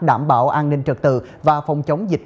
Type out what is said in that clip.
đảm bảo an ninh trật tự và phòng chống dịch